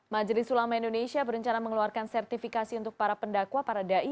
majelis ulama indonesia berencana mengeluarkan sertifikasi untuk para pendakwa para dai